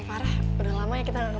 waktu itung sekarang karaoke